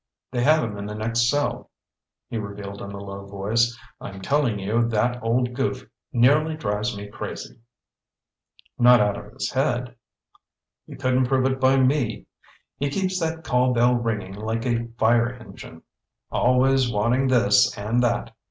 "They have him in the next cell," he revealed in a low voice. "I'm telling you that old goof nearly drives me crazy." "Not out of his head?" "You couldn't prove it by me. He keeps that call bell ringing like a fire engine! Always wanting this and that.